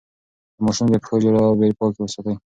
د ماشوم د پښو جرابې پاکې وساتئ.